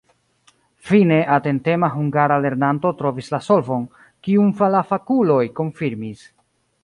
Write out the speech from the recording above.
Fine atentema hungara lernanto trovis la solvon, kiun la fakuloj konfirmis.